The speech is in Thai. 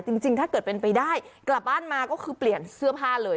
จริงถ้าเกิดเป็นไปได้กลับบ้านมาก็คือเปลี่ยนเสื้อผ้าเลย